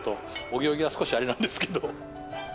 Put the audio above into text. お行儀は少しあれなんですけど。